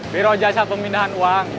biro jasa pemindahan uang